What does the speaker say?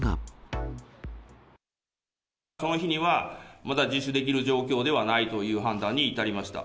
その日には、まだ自首できる状況ではないという判断に至りました。